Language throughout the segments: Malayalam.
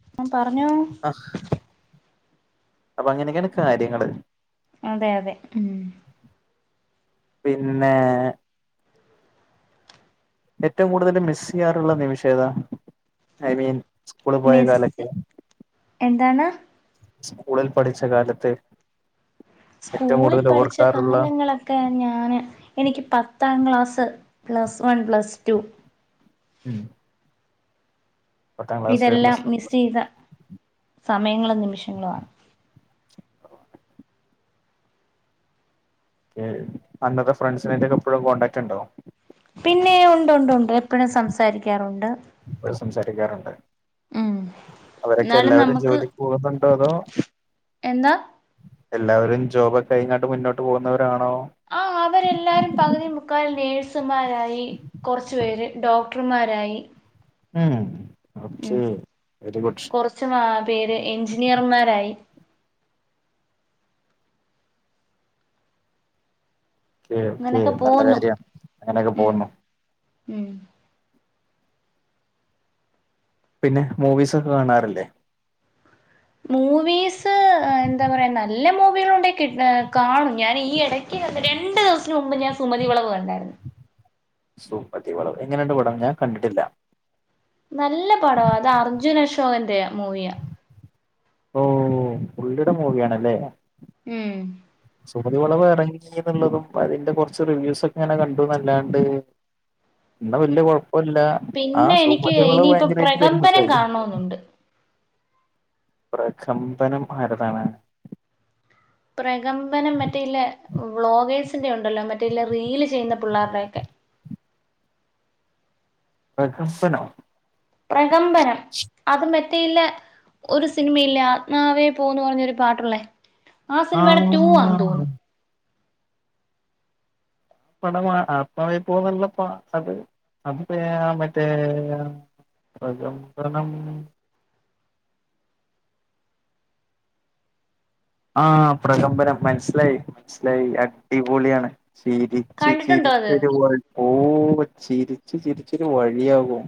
ഉ ആ പറഞ്ഞോ? ആ അപ്പൊ അങ്ങനെയൊക്കെയാണ് കാര്യങ്ങള്. അതെ അതെ ഉം പിന്നെ ഏറ്റവും കൂടുതൽ മിസ് ചെയ്യാറുള്ള നിമിഷേതാ? ഐ മീൻ സ്കൂളിൽ പോയ മെസ്സി കാലൊക്കെ എന്താണ്? സ്കൂളിൽ പഠിച്ച കാലത്ത് ഏറ്റവും സ്കൂളിൽ കൂടുതൽ പഠിച്ച ഓർക്കാറുള്ള കാലങ്ങള ഒക്കെ ഞാന് എനിക്ക് പത്താം class plus one plus two ഉം പത്താം ക്ലാസ് ഇതെല്ലാം plus one miss plus two ചെയ്ത സമയങ്ങളും നിമിഷങ്ങളും ആണ്. അന്നത്തെ ഫ്രണ്ട്സിനായിട്ടൊക്കെ എപ്പോഴും കോൺടാക്റ്റ് ഉണ്ടാവോ? പിന്നെ ഉണ്ട് ഉണ്ട് ഉണ്ട്. എപ്പോഴും സംസാരിക്കാറുണ്ട്. ഒരു സംസാരിക്കാറുണ്ട്. ഉം അവരൊക്കെ എന്നാലും എല്ലാവരും നമുക്ക് ജോലിക്ക് പോകുന്നുണ്ടോ? അതോ എന്താ എല്ലാവരും ജോബക്കെ കഴങ്ങോട്ട് മുന്നോട്ട് പോകുന്നവരാണോ? ആ അവരെല്ലാരും പകുതി മുക്കാൽ നേഴ്സുമാരായി കുറച്ചു പേര് ഡോ ഡോക്ടർമാരായി. ഉം [unintelligible] വെരി ഗുഡ്. [unintelligible] പേര് എഞ്ചിനീയർമാരായി. ഓക്കെ ഓക്കേ അങ്ങനൊക്കെ നല്ല പോന്നു കാര്യം അങ്ങനെയൊക്കെ ഉം പോകുന്നു. ഉം പിന്നെ മൂവീസ് ഒക്കെ കാണാറല്ലേ? മൂവീസ് എന്താ പറയാ നല്ല മൂവികളുണ്ട കിട്ട കാണും ഞാൻ ഈ ഇട രണ്ട് ദിവസത്തിന് മുമ്പ് ഞാൻ സുമതി വിളവ് കണ്ടായിരുന്നു. സുമതി വളവ് എങ്ങനെയണ്ട് പടം ഞാൻ കണ്ടിട്ടില്ല. നല്ല പടമാണ്. അത് അർജുൻ അശോകന്റെ മൂവിയ ഓ പുള്ളിയുടെ മൂവിയണല്ലേ? മ് സുമതി വളവ് ഇറങ്ങി യുന്നുള്ളതും അതിന്റെ കൊറച്ച് റിവ്യൂസ് ഒക്കെ ഇങ്ങനെ കണ്ടു നല്ലാണ്ട്. ന്നാ വല്യാ കുഴപ്പില്ല ആ പിന്നെ സുമതിവളവ് ഭയങ്കരിയിട്ട് ഫൈമോസ് ആയിനു. പ്പണ്ട് പ്രകമ്പനം ആരതാണ്? പ്രകമ്പനം മറ്റേല വ്ളോഗേഴ്സിൻന്റെറെ ഉണ്ടല്ലോ മറ്റേല റീല് ചെയ്യുന്ന പിള്ളേരുടെക്കെ. പ്രഹസന്നോ? പ്രകമ്പനം അത് മെറ്റയില്ലേ ഒരു സിനിമയില്ലേ ആത്മാവേ പോന്ന് പറഞ്ഞൊരു പാട്ടൊള്ളേ ആ സിനിമയുടെ ടൂ ആന്ന് തോന്നുന്നു. പട ആത്മാവ പോന്നല്ലപ്പ അത് അത് മറ്റേ പ്രകമ്പനം ആഹ് പ്രകമ്പനം മനസ്സിലായി മനസ്സിലായി അടിപൊളിയാണ് ചിരി കണ്ടിട്ടുണ്ടോ അത് ചിരിചിരിച്ചൊരു വ ഓ ചിരിച്ച് ചിരിച്ചൊരു വഴിയാവും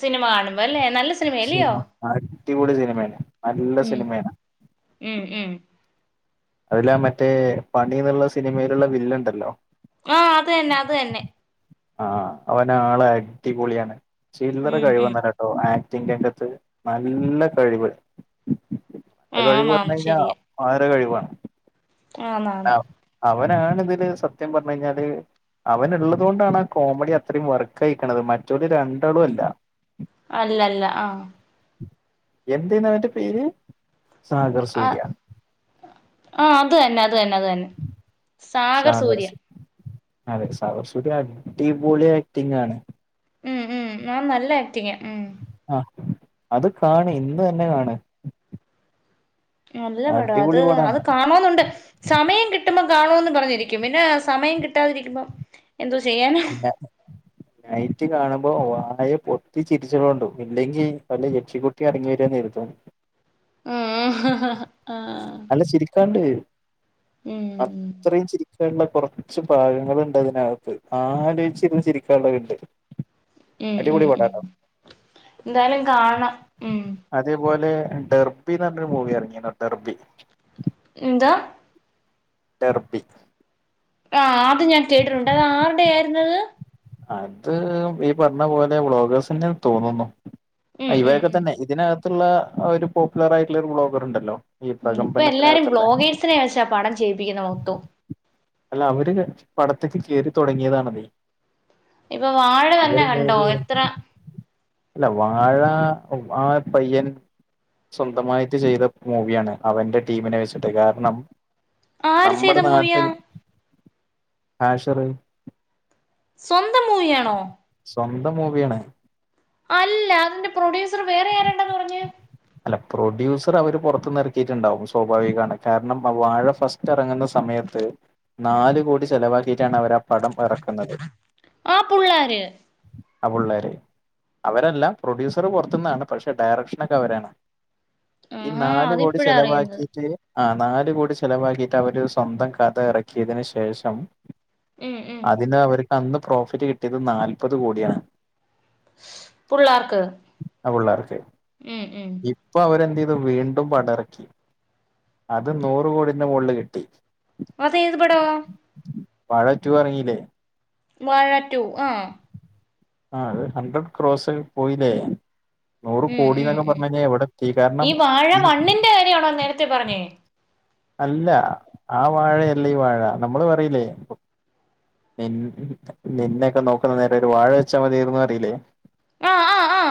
സിനിമ കാണുമ്പോ അല്ലെ നല്ല സിനിമ അടിപൊളി സിനിമയാണ് നല്ല ഉം സിനിമയാണ്. ഉം ഉം അതില്ല മറ്റേ പണി എന്നുള്ള സിനിമയിലുള്ള വില്ലൻണ്ടല്ലോ? ഉം അത് തന്നെ അത് തന്നെ. ആഹ് അവൻ ആളെ അടിപൊളിയാണ് ചില്ലറ ഉം ഉം കഴിവൊന്നുല ഓഹ് ആക്ടിങ് രംഗത്ത് നല്ല കഴിവ് ആഹ് കഴിവ് പറഞ്ഞു ആന്നാന്ന് കഴിഞ്ഞാൽ ശരിയാ ആപാര കഴിവാണ് ആന്നാന്ന് ആഹ് അവനാണ് ഇതില് സത്യം പറഞ്ഞു കഴിഞ്ഞാല് അവനള്ളത് കൊണ്ടാണ് ആ കോമഡി അത്രയും വർക്കയീക്കണത് മറ്റൊരു രണ്ടാളും അല്ല. അല്ല അല്ല ആഹ് എന്തന്ന്ന്റെ പേര് സാഗർ ആഹ് സൂര്യ. ആഹ് അത് തന്നെ അത് തന്നെ അത് തന്നെ. സാഗർ സഗർ സൂര്യ സു അതെ സഗർസൂര്യ അടിപൊളി ആക്ടിംഗ് ആണ്. ഉം ഉം ഞാൻ നല്ല ആക്ടിങ് ഉം ആഹ് അത് കണ് ഇന്ന് തന്നെ കാണ്. നല്ല പടം അത് അടിപൊളി പടാണ് അത് കാണോന്നൊണ്ട്. സമയം കിട്ടുമ്പോ കാണുന്ന് പറഞ്ഞിരിക്കും പിന്നെ സമയം കിട്ടാതിരിക്കുമ്പോ എന്തോ ചെയ്യാന? പിന്നേ? നൈറ്റ് കാണുമ്പോ വായ പൊത്തി ചിരിച്ചൊളോണ്ടൂ ഇല്ലെങ്കിൽ വല്ല യക്ഷിക്കുട്ടി ഇറങ്ങി വരാന്ന് കര്തും. ആഹ് ഹ ഹ അല്ല ചിരിക്കാണ്ട് ഉം ഉം അത്രയും ചിരിക്കാനുള്ള കൊ കൊറച്ച് ഭാഗങ്ങളുണ്ട് അതിനത്ത് ആലോച്ചിരുന്ന് ചിരിക്കാനുള്ളണ്ട്. ഉം ഉം ഉം എന്താലും കാണണം ഉം. അതേപോലെ ഡെർബിന്ന് പറഞ്ഞൊരു മൂവി ഇറങ്ങിണ് ഡെർബി. എന്താ? ഡർബി. ആഹ് അത് ഞാൻ കേട്ടിട്ടുണ്ട് അത് ആരുടെ ആരുന്ന്? അത് ഈ പറഞ്ഞ പോലെ ബ്ളോഗേഴ്സിന്റെയാ തോന്നുന്നു ആ ഉം ഉം ഇവരൊക്കെ ഉം തന്നെ. ഇതിനകത്തുള്ള ഒരു പോപ്പുലർ ആയിട്ടുള്ള ഒരു വ്ളോഗർ ഇണ്ടല്ലോ? ഉം ഇപ്പ എല്ലാരും ബ്ലോഗേഴ്സിനെ വെചാ പടം ചെയ്യിപ്പിക്കുന്നേ മൊത്തോം അല്ല അവര് പടത്ത്ക്ക് കേറി തൊടങ്ങിയതാണ് അത്. ഇപ്പൊ വാഴന്നെ കണ്ടോ മൂവി എത്ര അല്ല വാഴ വ പയ്യൻ- സ്വന്തമായിട്ട് ചെയ്ത മൂവിയാണ് അവന്റെ ടീമിനെ വെച്ചിട്ട് കാരണം ആര് ചെയ്ത നമ്മടെ മൂവിയാ നാട്ടിൽ ഹാഷിറ് സ്വന്തം മൂവിയണോ സ്വന്തം മൂവിയാണ് അല്ല അതിന്റെ പ്രൊഡ്യൂസറ് വേറെ ആരാണ്ടാന്ന് പറഞ്ഞ് അ അല്ല പ്രൊഡ്യൂസറ് അവര് പൊറത്ത്ന്ന് എറക്കിയിട്ടുണ്ടാവും സ്വാഭാവികാണ് കാരണം വാഴ ഫസ്റ്റ് എറങ്ങുന്ന സമയത്ത് നാലു കോടി ചെലവാക്കീട്ടാണ് അവർ ആ പടം എറക്കുന്നത് ആ പുള്ളാര് ആ പുള്ളേര് അവരല്ല പ്രൊഡ്യൂസറ് പൊറത്തുന്നാണ് പക്ഷെ ഡയറക്ഷനൊക്കെ അവരാണ് ഈ ആഹാ നാല് കോടി അതിപ്പഴാ അറിയുന്നത് ചെലവാക്കീറ്റ് ആഹ് നാല് കോടി ചെലവാക്കിട്ട് അവര് സ്വന്തം കഥ ഇറക്കിയതിന് ശേഷം ഉം ഉം അതിന് അവർക്ക് അന്ന് പ്രോഫിറ്റ് കിട്ടിയത് നാല്പത് കോടിയാണ് പുള്ളാർക്ക് [unintelligible] ഉം ഉം ഇ ഇപ്പ അവര് എന്ത് ചെയ്തു വീണ്ടും പടം എറക്കി അത് നൂറ് കോടിന്റെ മോളില് കിട്ടി അത് ഏതു പടവാ വാഴ ടു എറങ്ങീലേ വാഴ ടു ആഹ് ആഹ് അത് ഹൺഡ്രഡ് ക്രോസ് പോയിലേ നൂറ് ഉം കോടി ഉം എന്നൊക്കെ ഉം പറഞ്ഞ് കഴിഞ്ഞാ എവിട എത്തി കാരണം ഈ [unintelligible] കാര്യാണോ നേരത്തെ പറഞ്ഞേ അല്ല ആ വാഴയല്ല ഈ വാഴ നമ്മള് പറയിലേ [unintelligible] നിന്നേക്ക നോക്കുന്ന നേരെം ഒരു വാഴ വെച്ചാ മതിയാർന്നു അറിയില്ലേ ആ ആ ആ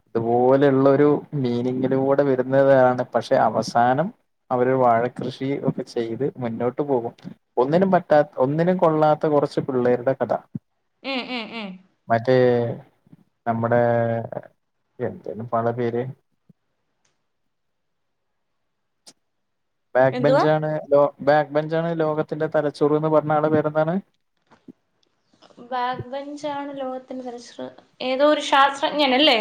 അതു പോലെയുള്ള ഒരു മീനിങ്ങിലൂടെ വരുന്നതാണ് പക്ഷെ അവസാനം അവര് വാഴ കൃഷി ഒക്കെ ചെയ്ത് മുന്നോട്ട് പോകും ഒന്നിനും പറ്റാ ഒന്നിനും കൊള്ളാത്ത കറച്ച് പിള്ളേരുടെ കട ഉം ഉം ഉം മറ്റേ നമ്മുടെ എന്തേണിപ്പോ അവളെ പേര് ബാക്ക് എന്തുവാ ബെഞ്ചാണ് ലോ ബാക്ക് ബെഞ്ചാണ് ലോകത്തിന്റെ തലച്ചോറ് ന്ന് പറഞ്ഞ ആളെ പേരെന്താണ് ബാക്ക് ബഞ്ചാണ് ലോകത്തിന്റെ തലച്ചോർ ഏതോ ഒരു ശാസ്ത്രജ്ഞനല്ലേ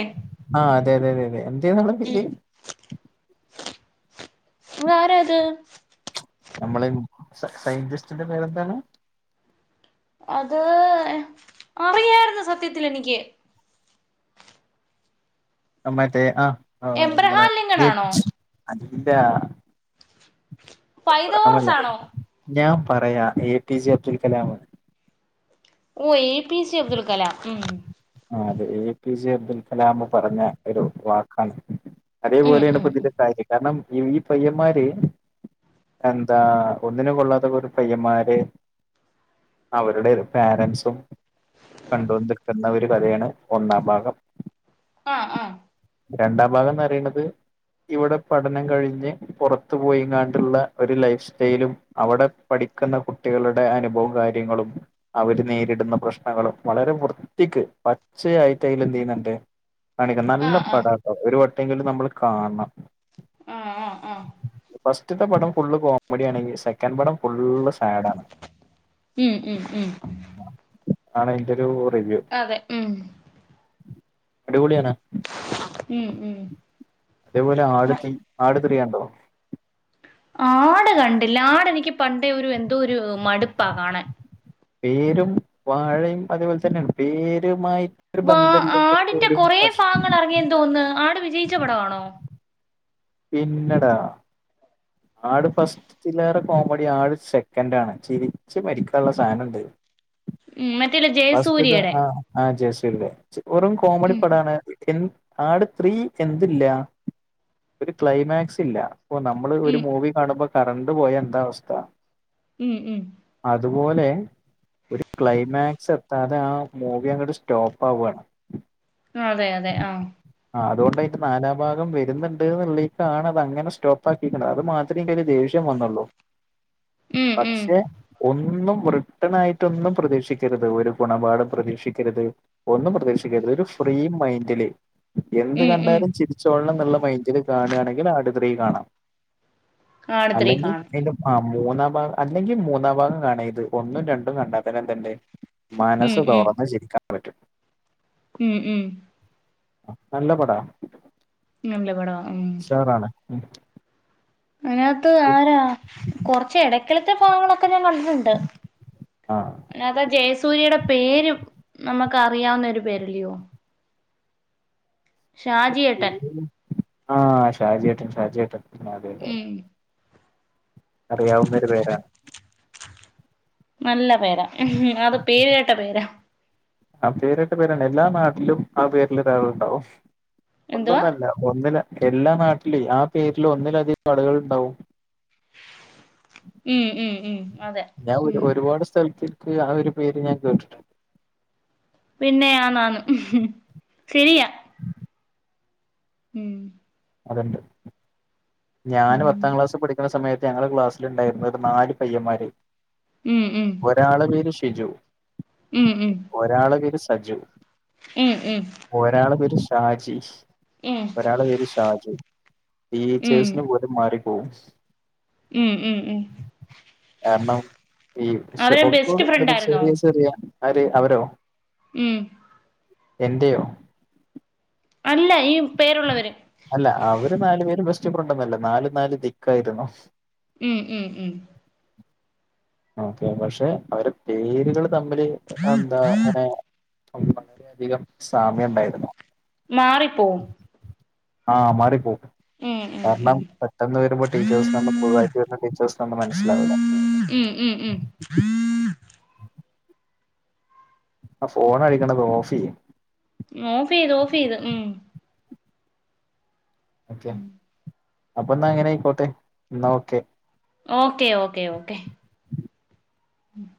ആഹ് അതെ അതെ അതെ അതെ എന്തായിരുന്നു ആളെ പേര് അത് ആരാത് നമ്മളെ സ സയന്റിസ്റ്റിന്റെ പേരെന്താണ് അത് അറിയായിരുന്നു സത്യത്തില് എനിക്ക് മറ്റേ ആഹ് ആഹ് നമ്മളെ എബ്രഹാം ലിങ്കൺ ആണോ [unintelligible] അതിന്റാ എബ്രഹാമല്ല പൈതോറസ് ആണോ ഞാൻ പറയാ A P J Abdul Kalam ഓഹ് A P J Abdul Kalam മ്ഹ് ആഹ് അതെ A P J Abdul Kalam പറഞ്ഞ ഒരു വാക്കാണ് അതേ ഉം പോലെയാണ് ഉം ഇപ്പ ഉം ഇതിന്റെ [unintelligible] കാരണം ഈ പയ്യന്മാര് എന്താ ഒന്നിനും കൊള്ളാത്ത കൊറേ പയ്യന്മാര് അവരുടെ പാരൻസും കണ്ടോണ്ട് നിക്കുന്നവര് [unintelligible] കഥേണ് ഒന്നാം ഭാഗം ആഹ് ആഹ് രണ്ടാം ഭാഗം എന്ന് പറേണത് ഇവിടെ പഠനം കഴിഞ്ഞ് പൊറത്തു പോയിങ്ങാണ്ട്ള്ള ഒരു ലൈഫ് സ്റ്റൈലും അവടെ പഠിക്കുന്ന കുട്ടികളുടെ അനുഭവോം കാര് [unintelligible] അവര് നേരിടുന്ന പ്രശ്നങ്ങളും വളരെ വൃ ത്തിക്ക് പച്ചയായിട്ട് അയില് എന്ത് ചെയ്യ്ന്ന്ണ്ട് [unintelligible] നല്ല ആഹ് ആഹ് പടാ ഒരു വട്ടേങ്കിലും നമ്മള് കാണണം ആഹ് ആഹ് ആഹ് ഫസ്റ്റ്ത്തെ പടം ഫുള്ള് കോമഡി ആണെങ്കി സെ [unintelligible] പടം ഫുള്ള് സാഡാണ് ഉം ഉം ഉം ആണ്അയ്ന്റൊരു റിവ്യൂ അതെ ഉം അടിപൊളിയാണ് ഉം ഉം അതേപോലെ ആട് തീ ആട് ത്രി കണ്ടോ ആട് കണ്ടില്ല ആട് എനിക്ക് പണ്ടേ ഒരു എന്തോ ഒരു മടുപ്പാ കാണാൻ പേരും വാഴയും അതേപോലെ തന്നെയാണ് പേരുമായി വാ ആടിന്റെ കൊറേ ഭാഗങ്ങള് ഇറങ്ങിയന്ന് തോന്നുന്ന് ആട് വിജയിച്ച പടവാണോ പിന്നെടാ ആട് ഫസ്റ്റിലേറെ കോമഡി ആട് സെക്കന്റ് ആണ് ചിരിച്ച് മരിക്കാള്ള സാധനണ്ട് മ്ഹ് മറ്റേല്ല ജ് ഫസ്റ്റ് ഇത് ആഹ് ആഹ് ജയസൂര്യന്റ വെറും കോമഡി ഉം പടാണ് ആട് ത്രീ എന്തില്ല ഒരു ക്ലൈമാക്സ് ഇല്ല ഇപ്പൊ നമ്മള് ഒരു ഉം മൂവി കാണുമ്പോ കരണ്ട് പോയ എന്താ അവസ്ഥ ഉം ഉം അതുപോലെ ഒരു ക്ലൈമാക് സെത്താതെ ആ മൂവി അങ്ങട് സ്റ്റോപ്പ് ആവാണ് ആഹ് അതെ അതെ ആഹ് അത് കൊണ്ട്അയിന്റെ നാലാംഭാഗം വരുന്നുണ്ട് എന്നുള്ളേട്ടാണ് അത് അങ്ങനെ സ്റ്റോപ്പ് ആ ‌ക്കിയേക്കണത് അത് മാത്രേ ഇൻക്ക് ദേഷ്യം വന്നൊള്ളൂ ഉം ഉം പക്ഷെ ഒ ന്നും റിട്ടൺ ആയിട്ടൊന്നും പ്രതീക്ഷിക്കരുത് ഒരു ഗുണപാഠം പ്രതീക്ഷിക്കരുത് ഒന്നും പ്രതീക്ഷിക്കരുത് ഒരു ഫ്രീ മയ്ന്റില് എന്ത് ഉം ഉം കണ്ടാലും ചിരിച്ചോളണം എന്നുള്ള മൈൻന്റില് കാണയാണെങ്കിൽ ആട് ത്രി കാണാം ആട് ത്രീ അല്ലെങ്കി കാണും അയ്ലും ആഹ് മൂന്നാ ഭാഗം അല്ലെങ്കി മൂന്നാം ഭാഗം കാണാ ഇത് ഒന്നും രണ്ടും കണ്ടാത്തന്നെ എന്ത്ണ്ട് ഉം മനസ്സ് ഉം തൊറന്ന് ചിരിക്കാൻ പറ്റും. ഉം ഉം നല്ല പടാ നല്ല പടവാ ഉം ഷുവറാണ് ഉം അതിനാത്ത് ആരാ കുറച്ച് ഇടയ്ക്കിലത്തെ ഭാഗങ്ങളൊക്കെ ഞാൻ ക ണ്ടിട്ടെണ്ട് ആ അയ്നാത്ത് ആ ജയസൂര്യയുടെ പേരും നമുക്ക് അറിയാവുന്ന ഒരു പേരല്ലയോ ഷാജിയേട്ടൻ ആഹ് ഷാജിയേട്ടൻ ഷാജിയേട്ടൻ അതെ അതെ ഉം അറിയാവുന്നൊരു പേരാണ് നല്ല പേരാ അത് പേര്കേട്ട പേരാ ആഹ് പേരുകേട്ട പേരാണ് എല്ലാ നാട്ടിലും ആ പേരിലൊരാളുണ്ടാവും എന്തുവാ ഒന്നൊന്നല്ല ഒന്നില് എല്ലാ നാട്ടിലേ ആ പേരില് ഒന്നിലധികം കടകളിണ്ടാവും ഉം ഉം ഉം അതെ ഞാൻ ഉം ഒരുപാട് സ്ഥലത്തിക്ക് ആ ഒരു പേര് ഞാൻ കേട്ടിട്ടിണ്ട് പിന്നെ ആന്നാന്നു ശരിയാ ഉം അതെണ്ട് ഞാന് ഉം പത്താം ക്ലാസ് പഠിക്കണ സമയ ത്ത് ഞങ്ങടെ ക്ലാസ്സിൽ ഇണ്ടായിരുന്ന് ഒരു നാല് പയ്യന്മാര് ഉം ഉം ഒരാളെ പേര് ഷിജു ഉം ഉം ഒരാളെ പേര് സജു ഉം ഉം ഒരാളെ പേര് ഷാജി ഒരാളെ പേര് ഷാജു ഉം ടീച്ചേഴ്സിന് പോലും മാറിപ്പോവും ഉം ഉം ഉം കാരണം ഈ അവര് ബെസ്റ്റ് ഫ്രണ്ട് [unintelligible] ആയിരുന്നോ ചെറിയ ചെറിയ ആര് അവരോ? മ്. എന്റെയോ? അല്ല ഈ പേരുള്ളവര്- അല്ല അവര് നാലു പേരും ബെസ്റ്റ്ഫ്രണ്ടൊന്നല്ല നാല് നാല് ദിക്കായിരുന്നാ- മ മ് മ് ഓക്കെ പക്ഷെ അവരെ പേരുകൾ തമ്മില് അതെന്താ ങ്ങനെ [unintelligible] യധികം സാമ്യം ഉണ്ടായിരുന്നു മാറിപ്പോവും ആഹ് മാറി പോവും. ഉം ഉം കാരണം ഉം പെട്ടെന്ന് വരുമ്പോൾ ടീച്ചേഴ്സ് [unintelligible] പൊതുവായിറ്റ് വരുന്ന ടീച്ചേഴ്സിനമ്മൾ മനസ്സിലാവില്ല മ്ം മ്ം മ്മ് ആ ഫോൺ അടിക്കണത് ഓഫ് ചെയ്- ഓഫ് ചെയ്തു ഓഫ്ചെയ്തു മ്മ് ഓക്കെ അപ്പൊ എന്നാ അങ്ങനെ ആയിക്കോട്ടെ എന്നാ ഓക്കെ. ഓക്കെ ഓക്കെ ഓക്കെ- മ്മ്.